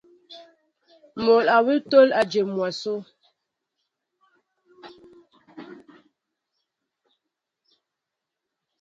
Mol awŭ tól ejém mwaso.